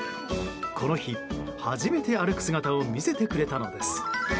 この日、初めて歩く姿を見せてくれたのです。